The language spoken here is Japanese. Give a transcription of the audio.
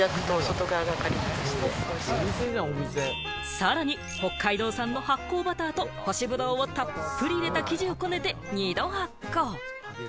さらに北海道産の発酵バターと干しブドウをたっぷり入れた生地をこねて、２度、発酵。